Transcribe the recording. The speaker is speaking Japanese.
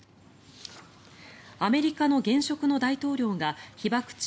アメリカの現職の大統領が被爆地